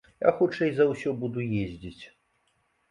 Я хутчэй за ўсё буду ездзіць.